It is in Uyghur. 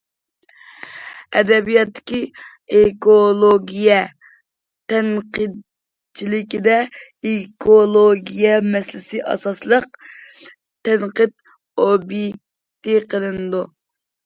ئەدەبىياتتىكى ئېكولوگىيە تەنقىدچىلىكىدە ئېكولوگىيە مەسىلىسى ئاساسلىق تەنقىد ئوبيېكتى قىلىنىدۇ.